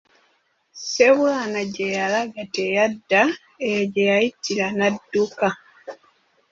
Ssebwana gye yalaga teyadda, eyo gye yayitira n'adduka.